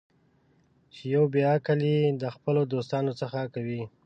چې یو بې عقل یې د خپلو دوستانو څخه کوي.